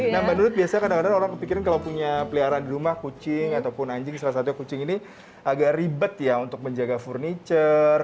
nah mbak nurut biasanya kadang kadang orang kepikiran kalau punya peliharaan di rumah kucing ataupun anjing salah satunya kucing ini agak ribet ya untuk menjaga furniture